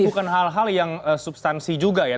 jadi bukan hal hal yang substansi juga ya